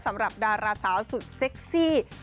สำหรับดาราสาวสุดเซ็กซี่